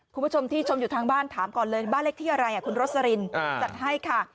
คุณผู้ชมที่ชมอยู่ทางบ้านถามก่อนเลยบ้านเลขที่อะไรคุณโรสลินจัดให้ค่ะ